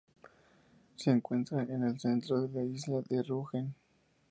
Se encuentra en el centro de la isla de Rügen.